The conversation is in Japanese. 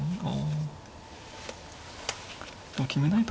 ああ